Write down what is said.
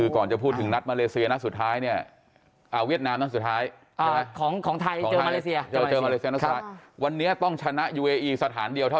ความพร้อมที่แถลงล่างสุดเป็นยังไงฮะ